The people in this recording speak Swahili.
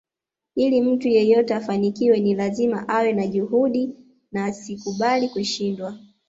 Ili mtu yeyote afanikiwe ni lazima awe na juhudi na asikubali kushindwa